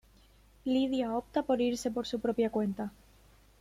Lydia opta por irse por su propia cuenta.